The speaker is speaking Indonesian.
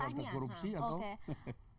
memperbaiki korupsi atau